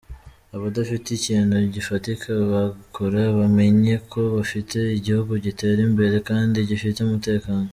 "Abadafite ikintu gifatika bakora bamenye ko bafite igihugu gitera imbere kandi gifite umutekano.